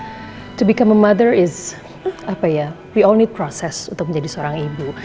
untuk menjadi seorang ibu kita semua perlu proses untuk menjadi seorang ibu